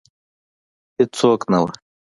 هیڅوک نه وه